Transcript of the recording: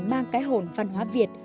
mang cái hồn văn hóa việt